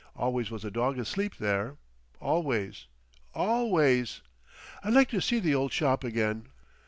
Always was a dog asleep there—always. Always... I'd like to see the old shop again.